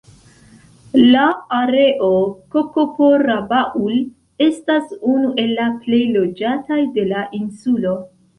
La areo Kokopo-Rabaul estas unu el la plej loĝataj de la insulo.